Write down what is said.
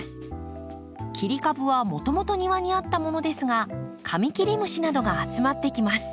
切り株はもともと庭にあったものですがカミキリムシなどが集まってきます。